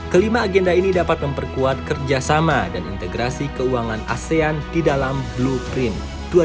kelima agenda ini dapat memperkuat kerjasama dan integrasi keuangan asean di dalam blueprint dua ribu dua puluh